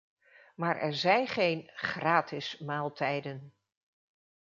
Maar er zijn geen "gratis maaltijden".